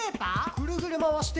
ぐるぐるまわして。